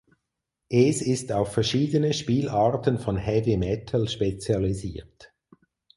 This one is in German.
Es ist auf verschiedene Spielarten von Heavy Metal spezialisiert.